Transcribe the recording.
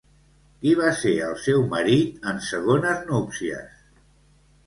Qui va ser el seu marit en segones núpcies?